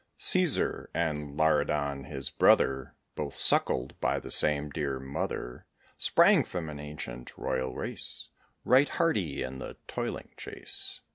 Cæsar and Laridon, his brother, Both suckled by the same dear mother, Sprang from an ancient royal race; Right hardy in the toiling chase.